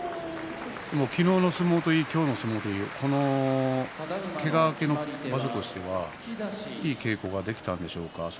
昨日の相撲といい今日の相撲といいけが明けの場所としてはいい稽古ができたんでしょうか。